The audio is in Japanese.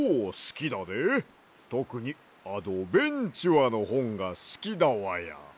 とくに「あどべんちゅあ」のほんがすきだわや！